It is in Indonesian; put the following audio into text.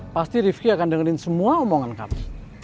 pasti rifqi akan dengerin semua omongan kamu